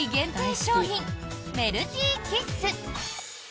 商品メルティーキッス。